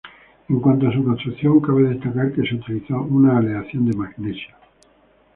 En cuanto a su construcción, cabe destacar que se utilizó una aleación de magnesio.